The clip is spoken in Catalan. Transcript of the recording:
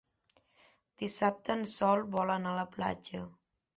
Dissabte en Sol vol anar a la platja.